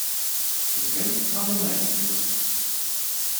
Tezgam tettɣamam ar tewwurt.